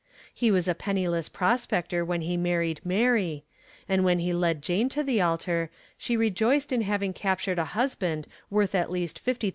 He was a penniless prospector when he married Mary, and when he led Jane to the altar she rejoiced in having captured a husband worth at least $50,000.